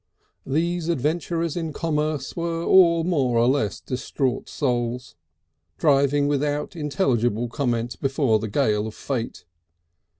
These adventurers in commerce were all more or less distraught souls, driving without intelligible comment before the gale of fate.